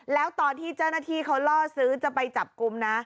แล้วตอนที่เจ้าหน้าที่เขาล่อซื้อจะไปจับกลุ่มนะ